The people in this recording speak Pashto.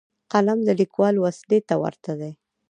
قلم د لیکوال وسلې ته ورته دی.